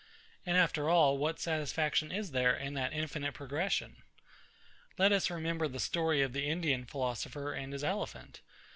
And, after all, what satisfaction is there in that infinite progression? Let us remember the story of the Indian philosopher and his elephant.